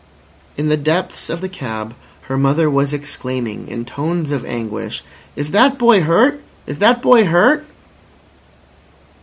In the depths of the cab, her mother was exclaiming, in tones of anguish: "Is that boy hurt? Is that boy hurt?"